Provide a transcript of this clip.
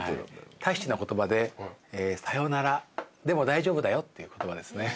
タヒチの言葉で「さよならでも大丈夫だよ」っていう言葉ですね。